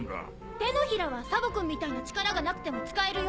手のひらはサボ君みたいな力がなくても使えるよ。